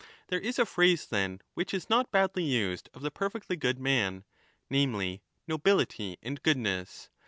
There is a phrase, then, which is not badly used of the perfectly good man, namely, * nobility and goodness.'